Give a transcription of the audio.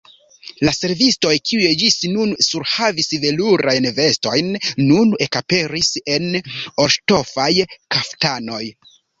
La servistoj, kiuj ĝis nun surhavis velurajn vestojn, nun ekaperis en orŝtofaj kaftanoj.